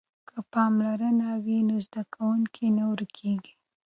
که پاملرنه وي نو زده کوونکی نه ورکیږي.